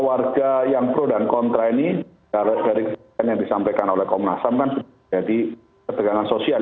warga yang pro dan kontra ini dari kebijakan yang disampaikan oleh komnas ham kan sudah jadi ketegangan sosial